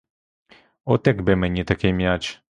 От якби мені такий м'яч!